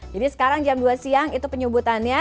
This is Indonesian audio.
jadi sekarang jam dua siang itu penyebutannya